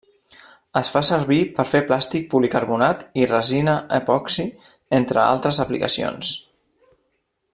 Es fa servir per fer plàstic policarbonat i resina epoxi entre altres aplicacions.